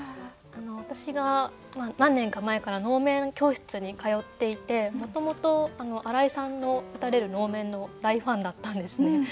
私が何年か前から能面教室に通っていてもともと新井さんの打たれる能面の大ファンだったんですね。